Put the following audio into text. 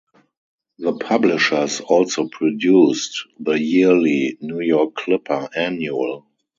The publishers also produced the yearly "New York Clipper Annual".